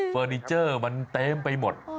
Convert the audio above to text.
เฟอร์นิเจอร์มันเต็มไปหมด